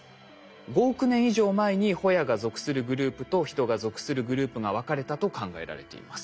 ５億年以上前にホヤが属するグループとヒトが属するグループが分かれたと考えられています。